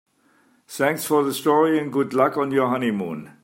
Thanks for the story and good luck on your honeymoon.